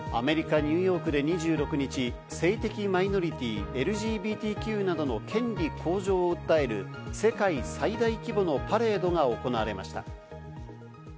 アメリカ・ニューヨークで２６日、性的マイノリティーＬＧＢＴＱなどの権利向上を訴える世界最大規模のパレードが行われました。